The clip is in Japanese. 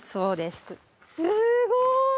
すごい！